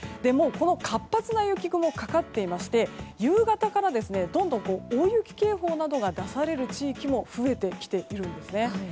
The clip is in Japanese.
もう、活発な雪雲がかかっていて夕方からどんどん大雪警報などが出される地域も増えてきているんです。